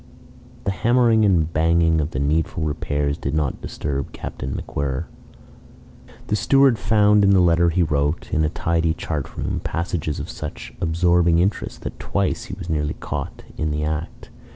The hammering and banging of the needful repairs did not disturb Captain MacWhirr. The steward found in the letter he wrote, in a tidy chart room, passages of such absorbing interest that twice he was nearly caught in the act.